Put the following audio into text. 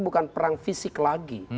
bukan perang fisik lagi